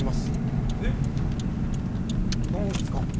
えっ何すか？